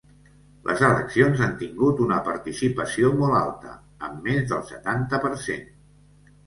Les eleccions han tingut una participació molt alta, amb més del setanta per cent.